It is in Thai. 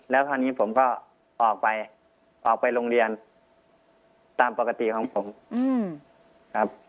แล้วคราวนี้ผมก็ออกไปออกไปโรงเรียนตามปกติของผมครับ